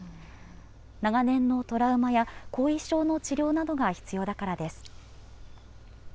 長年のトラウマや後遺症の治療などが必要だからです。